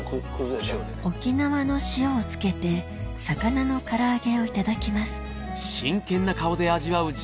沖縄の塩をつけて魚の唐揚げをいただきます